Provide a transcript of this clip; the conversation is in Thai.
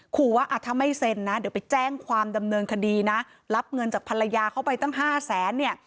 ขอว่าถ้าไม่เซ็นนะเดี๋ยวไปแจ้งความดำเนินคดีนะรับเงินจากภรรยาเขาไปตั้งห้าแสนเนี่ย